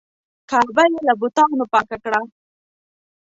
کعبه یې له بتانو پاکه کړه.